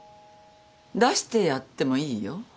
出してやってもいいよ。